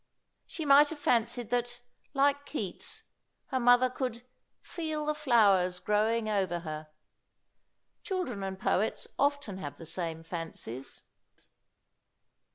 She might have fancied that, like Keats, her mother could "feel the flowers growing over her." Children and poets often have the same fancies.